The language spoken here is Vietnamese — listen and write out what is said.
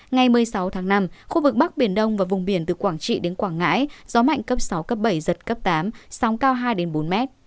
ngày một mươi sáu tháng năm khu vực bắc biển đông và vùng biển từ quảng trị đến quảng ngãi gió mạnh cấp sáu cấp bảy giật cấp tám sóng cao hai bốn m